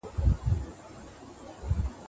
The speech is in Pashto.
بايد د خپلو کړنو مسؤليت واخلو.